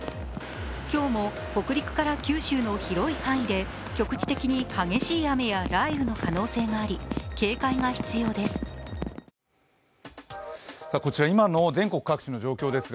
今日も北陸から九州の広い範囲で局地的に激しい雨や雷雨の可能性があり警戒が必要です。